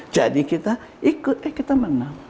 jadi kita ikut eh kita menang